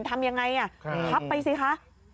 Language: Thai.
ทำยังไงพับไปสิคะ